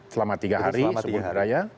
selama tiga hari subuh raya